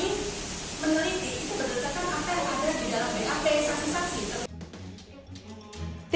itu pun apa yang terhadap pak jaksa ini